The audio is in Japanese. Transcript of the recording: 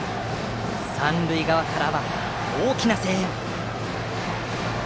三塁側からは大きな声援。